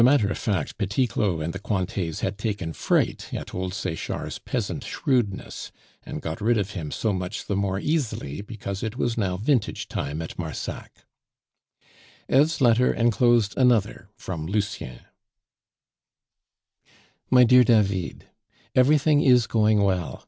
As a matter of fact, Petit Claud and the Cointets had taken fright at old Sechard's peasant shrewdness, and got rid of him so much the more easily because it was now vintage time at Marsac. Eve's letter enclosed another from Lucien: "MY DEAR DAVID, Everything is going well.